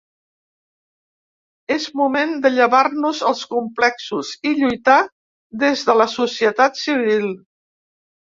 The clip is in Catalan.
És moment de llevar-nos els complexos i lluitar des de la societat civil.